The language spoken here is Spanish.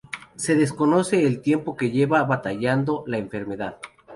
Se desconoce el tiempo que lleva batallando la enfermedad.